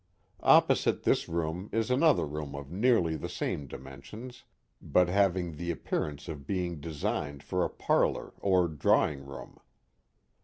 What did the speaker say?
Opposite this room is another room of nearly the same dimensions, but having the appearance of be ing designed for a parlor or drawing room.